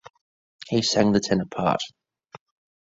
He sang the tenor part.